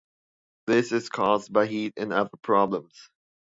This is caused by heat and other problems.